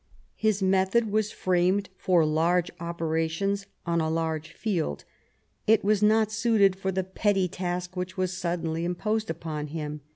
His method was framed for large opera tions on a large fleld ; it was not suited for the petty task which was suddenly imposed upon him.